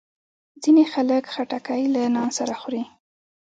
ځینې خلک خټکی له نان سره خوري.